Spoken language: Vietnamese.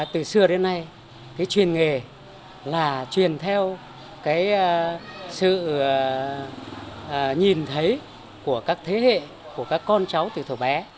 từ xưa đến nay cái truyền nghề là truyền theo cái sự nhìn thấy của các thế hệ của các con cháu từ thổ bé